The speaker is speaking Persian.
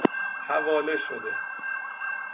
حواله شده